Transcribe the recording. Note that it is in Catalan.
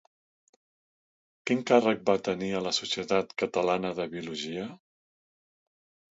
Quin càrrec va tenir a la Societat Catalana de Biologia?